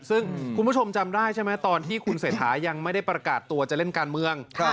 ซึ่งคุณผู้ชมจำได้ใช่ไหมตอนที่คุณเศรษฐายังไม่ได้ประกาศตัวจะเล่นการเมือง